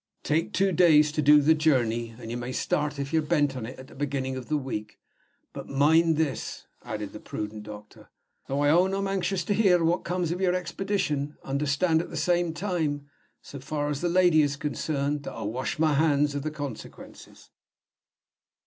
"Take two days to do the journey, and you may start, if you're bent on it, at the beginning of the week. But mind this," added the prudent doctor, "though I own I'm anxious to hear what comes of your expedition understand at the same time, so far as the lady is concerned, that I wash my hands of the consequences."